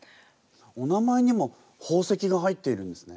お名前にも宝石が入っているんですね。